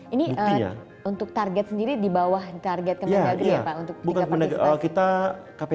ini untuk target sendiri dibawah target kemerdekaan ya pak